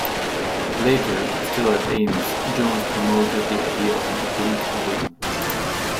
Later, still at Ames, Jones promoted the idea of an oblique wing.